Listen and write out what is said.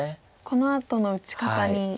このあとの打ち方に。